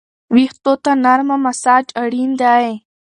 ویښتو ته نرمه مساج اړین دی.